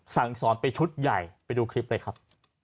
สั่งสอนไปชุดใหญ่ไปดูคลิปเลยครับ